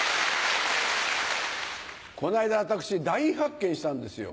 この間私大発見したんですよ。